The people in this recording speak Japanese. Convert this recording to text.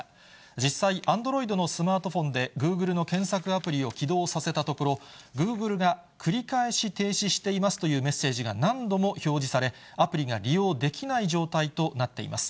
実際、アンドロイドのスマートフォンでグーグルの検索アプリを起動させたところ、グーグルが繰り返し停止していますというメッセージが何度も表示され、アプリが利用できない状態といます。